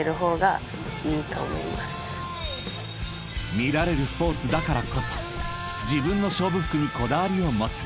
［見られるスポーツだからこそ自分の勝負服にこだわりを持つ］